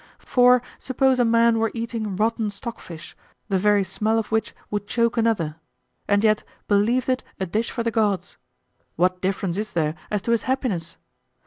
For suppose a man were eating rotten stockfish, the very smell of which would choke another, and yet believed it a dish for the gods, what difference is there as to his happiness?